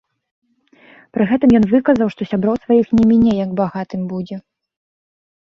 Пры гэтым ён выказаў, што сяброў сваіх не міне, як багатым будзе.